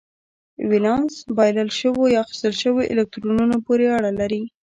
ولانس بایلل شوو یا اخیستل شوو الکترونونو پورې اړه لري.